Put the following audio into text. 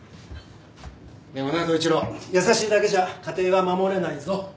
でもな統一郎優しいだけじゃ家庭は守れないぞ。